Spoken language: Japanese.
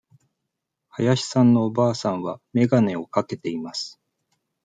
林さんのおばあさんは眼鏡をかけています。